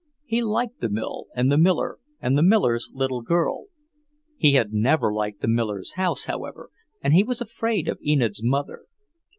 He liked the mill and the miller and the miller's little girl. He had never liked the miller's house, however, and he was afraid of Enid's mother.